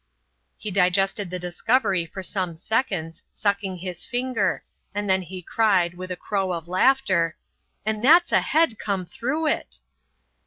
He digested the discovery for some seconds, sucking his finger, and then he cried, with a crow of laughter: "And that's a head come through it."